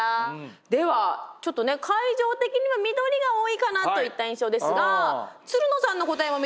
ではちょっとね会場的には緑が多いかなといった印象ですがつるのさんの答えを見ていきましょうか。